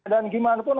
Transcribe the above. dan gimana pun